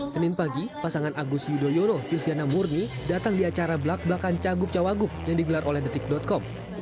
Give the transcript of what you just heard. senin pagi pasangan agus yudhoyono silviana murni datang di acara belak belakan cagup cawagup yang digelar oleh detik com